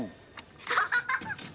ハハハハ！